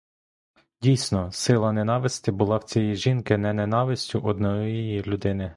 Дійсно, сила ненависти була в цієї жінки не ненавистю одної людини.